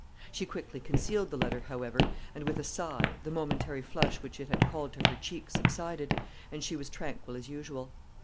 She quickly concealed the letter, however, and with a sigh, the momentary flush which it had called to her cheek subsided, and she was tranquil as usual.